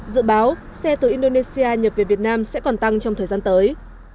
dự báo xe từ indonesia nhập về việt nam sẽ còn tăng trong thời gian tới